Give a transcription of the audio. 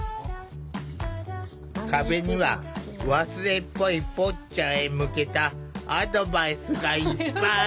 壁には忘れっぽいぽっちゃんへ向けたアドバイスがいっぱい。